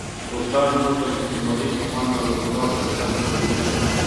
استاد موږ د رښتینولۍ په خوند او د درواغو په زیان پوه کوي.